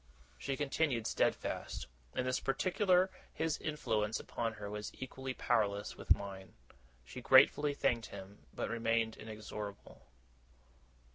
She continued steadfast. In this particular, his influence upon her was equally powerless with mine. She gratefully thanked him but remained inexorable.